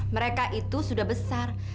mereka itu sudah besar